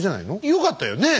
よかったよねえ？